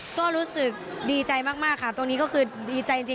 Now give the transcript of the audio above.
ก็รู้สึกดีใจมากค่ะตรงนี้ก็คือดีใจจริง